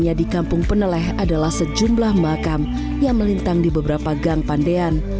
yang di kampung peneleh adalah sejumlah makam yang melintang di beberapa gang pandean